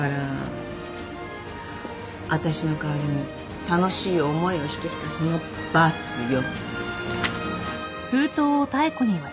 私の代わりに楽しい思いをしてきたその罰よ。